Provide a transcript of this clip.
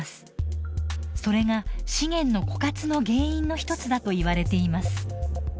それが資源の枯渇の原因の一つだといわれています。